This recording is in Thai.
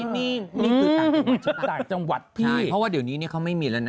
นี่คือต่างจังหวัดต่างจังหวัดพี่เพราะว่าเดี๋ยวนี้เขาไม่มีแล้วนะ